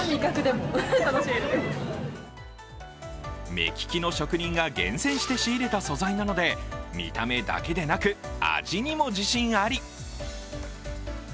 目利きの職人が厳選して仕入れた素材なので見た目だけでなく、味にも自信あり。